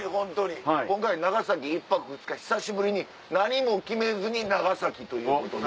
今回長崎１泊２日久しぶりに何も決めずに長崎ということで。